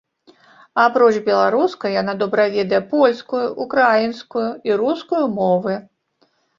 Апроч беларускай, яна добра ведае польскую, украінскую і рускую мовы.